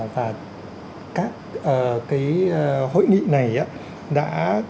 và các cái hội nghị này đã